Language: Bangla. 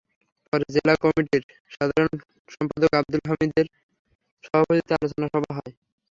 পরে জেলা কমিটির সাধারণ সম্পাদক আবদুল হালিমের সভাপতিত্বে আলোচনা সভা হয়।